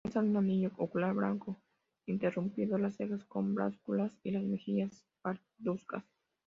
Muestran un anillo ocular blanco interrumpido; las cejas son blancuzcas y las mejillas parduzcas.